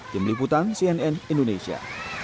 jemliputan cnn indonesia